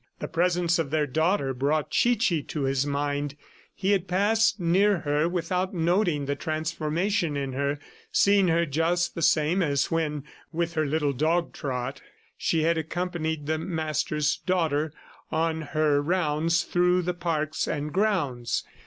The presence of their daughter brought Chichi to his mind. He had passed near her without noting the transformation in her, seeing her just the same as when, with her little dog trot, she had accompanied the Master's daughter on her rounds through the parks and grounds.